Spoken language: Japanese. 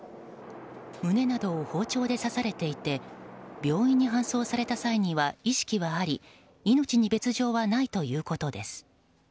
胸などを包丁で刺されていて病院に搬送された際には意識はあり命に別条はないということです。